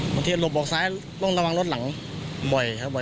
หลบออกซ้ายต้องระวังรถหลังบ่อยครับบ่อย